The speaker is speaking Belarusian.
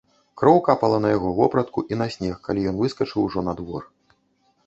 Кроў капала на яго вопратку і на снег, калі ён выскачыў ужо на двор.